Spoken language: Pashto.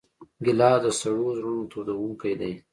ګیلاس د سړو زړونو تودوونکی دی.